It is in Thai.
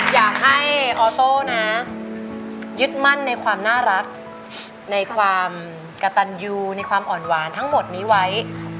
อยากให้ออโต้นะยึดมั่นในความน่ารักในความกระตันยูในความอ่อนหวานทั้งหมดนี้ไว้